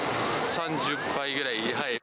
３０杯ぐらい。